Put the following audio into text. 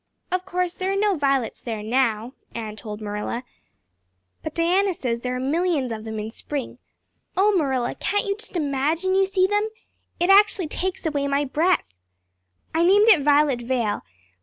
"Of course there are no violets there now," Anne told Marilla, "but Diana says there are millions of them in spring. Oh, Marilla, can't you just imagine you see them? It actually takes away my breath. I named it Violet Vale.